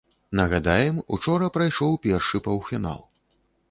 Нагадаем, учора прайшоў першы паўфінал.